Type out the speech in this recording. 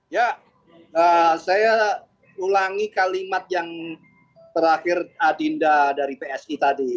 ya saya ulangi kalimat yang terakhir adinda dari psi tadi